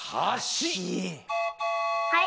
はい。